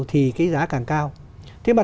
thì cái giá càng cao thế mà